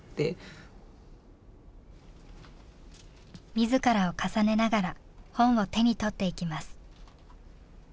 自らを重ねながら本を手に取っていきます。